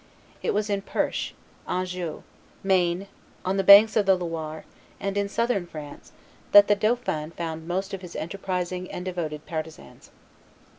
It was in Perche, Anjou, Maine, on the banks of the Loire, and in Southern France, that the dauphin found most of his enterprising and devoted partisans.